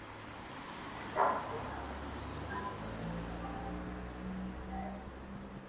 weka unga wa ngano na hamira kwa pamoja kisha kanda